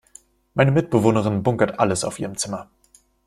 Meine Mitbewohnerin bunkert alles auf ihrem Zimmer.